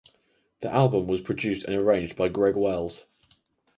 The album was produced and arranged by Greg Wells.